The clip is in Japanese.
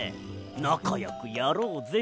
なかよくやろうぜ。